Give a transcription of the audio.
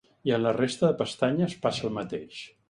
I en la resta de pestanyes passa el mateix.